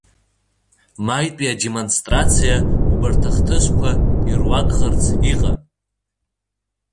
Маитәи адемонстрациа убарҭ ахҭысқәа ируакхырц иҟан.